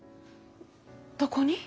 どこに？